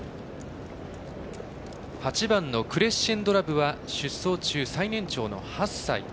８番のクレッシェンドラヴは出走中、最年長の８歳。